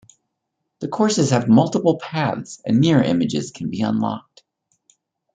The courses have multiple paths and mirror images can be unlocked.